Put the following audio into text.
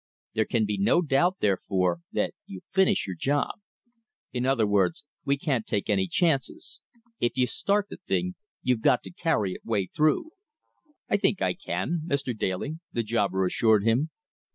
There can be no doubt, therefore, that you finish your job. In other words, we can't take any chances. If you start the thing, you've got to carry it 'way through." "I think I can, Mr. Daly," the jobber assured him.